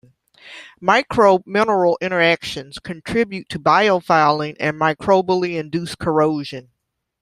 Microbe-mineral interactions contribute to biofouling and microbially induced corrosion.